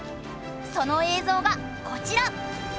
その映像がこちら。